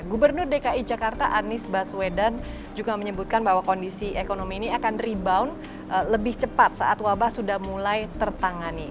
gubernur dki jakarta anies baswedan juga menyebutkan bahwa kondisi ekonomi ini akan rebound lebih cepat saat wabah sudah mulai tertangani